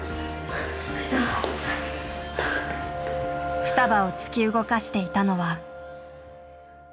ふたばを突き動かしていたのは。